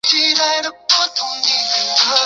官婺源县知县。